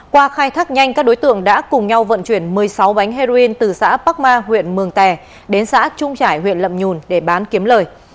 qua khai thác nhanh các đối tượng đã cùng nhau vận chuyển một mươi sáu bánh heroin từ xã bắc ma huyện mường tè đến xã trung trải huyện lậm nhùn để bán kiếm lời